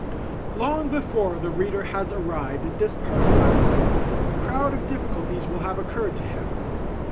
Long before the reader has arrived at this part of my work, a crowd of difficulties will have occurred to him.